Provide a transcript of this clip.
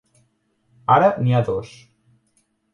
Ara n'hi ha dos.